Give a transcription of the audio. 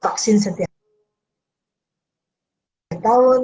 vaksin setiap tahun